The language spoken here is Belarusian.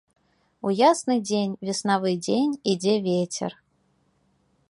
У ясны дзень, веснавы дзень, ідзе вецер.